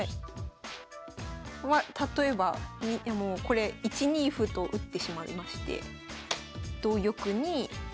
まあ例えばもうこれ１二歩と打ってしまいまして同玉に。